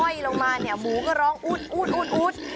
อ้อยลงมาเนี่ยหมูก็ร้องอุด